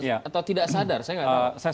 atau tidak sadar saya nggak tau